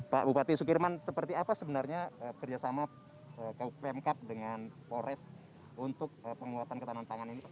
pak bupati sukirman seperti apa sebenarnya kerjasama pemkap dengan polres untuk penguatan ketanan tangan ini